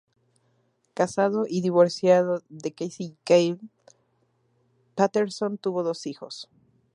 Casado y divorciado de Casey Kelley, Patterson tuvo dos hijos.